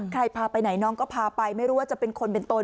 พาไปไหนน้องก็พาไปไม่รู้ว่าจะเป็นคนเป็นตน